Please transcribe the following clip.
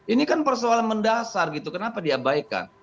ini kan persoalan mendasar gitu kenapa diabaikan